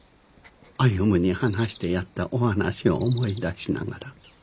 歩に話してやったお話を思い出しながら。